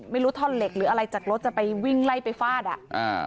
ไม่รู้ท่อนเหล็กหรืออะไรจากรถจะไปวิ่งไล่ไปฟาดอ่ะอ่า